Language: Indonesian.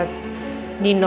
pak suria bener